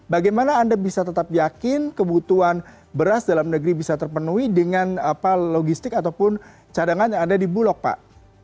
bagaimana anda bisa tetap yakin kebutuhan beras dalam negeri bisa terpenuhi dengan logistik ataupun cadangan yang ada di bulog pak